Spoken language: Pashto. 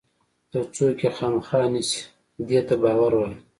یو څوک یې خامخا نیسي دې ته باور وایي.